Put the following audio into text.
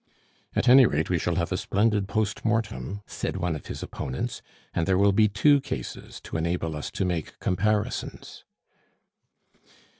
"At any rate, we shall have a splendid post mortem," said one of his opponents, "and there will be two cases to enable us to make comparisons."